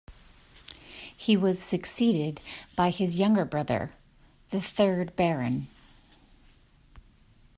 He was succeeded by his younger brother, the third Baron.